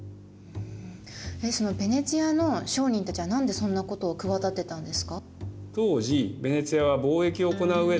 ヴェネツィアの商人たちは何でそんなことを企てたんですか？